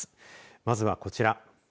まずはこちら。